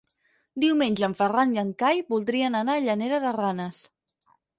Diumenge en Ferran i en Cai voldrien anar a Llanera de Ranes.